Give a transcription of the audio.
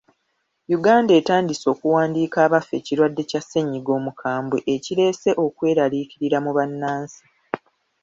Uganda etandise okuwandiika abafa ekirwadde kya ssennyiga omukambwe ekireese ekweraliikirira mu bannansi.